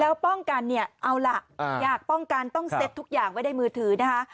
แล้วป้องกันเนี่ยเอาล่ะอยากป้องกันต้องเซ็ตทุกอย่างไว้ในมือถือนะคะ